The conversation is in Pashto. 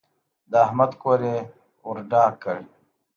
د احمد کور يې ور ډاک کړ.